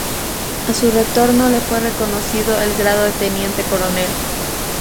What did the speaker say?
A su retorno le fue reconocido el grado de teniente coronel.